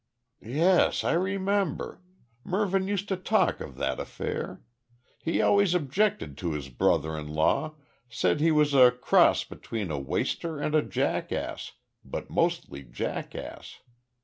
"Yes, I remember. Mervyn used to talk of that affair. He always objected to his brother in law, said he was a cross between a waster and a jackass, but mostly jackass.